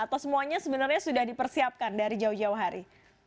atau semuanya sebenarnya sudah dipersiapkan dari jauh jauh hari